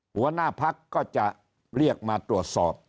หัวหน้าพักก็จะเรียกมาตรวจสอบ